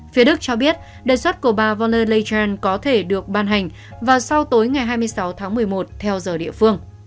phía đức cho biết đề xuất của bà von der leyen có thể được ban hành vào sau tối ngày hai mươi sáu tháng một mươi một theo giờ địa phương